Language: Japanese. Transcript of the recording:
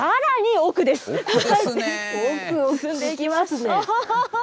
奥へ進んでいきますと。